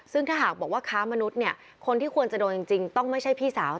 ซึ่งถ้าหากบอกว่าค้ามนุษย์เนี่ยคนที่ควรจะโดนจริงต้องไม่ใช่พี่สาว